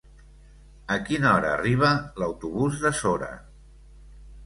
A quina hora arriba l'autobús de Sora?